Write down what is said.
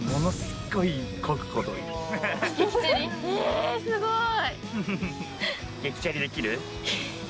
えすごい！